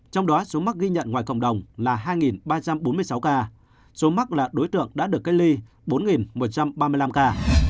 trong đó số mắc ghi nhận ngoài cộng đồng là hai ba trăm bốn mươi sáu ca số mắc là đối tượng đã được cách ly bốn một trăm ba mươi năm ca